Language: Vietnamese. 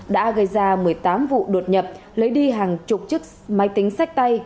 đã gây ra một mươi tám vụ đột nhập lấy đi hàng chục chiếc máy tính sách tay